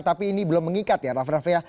tapi ini belum mengikat ya raf rafnya